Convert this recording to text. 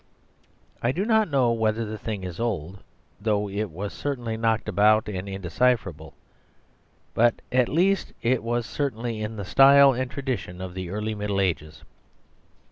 I do not know whether the thing is old, though it was certainly knocked about and indecipherable, but at least it was certainly in the style and tradition of the early Middle Ages.